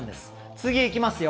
次、いきますよ。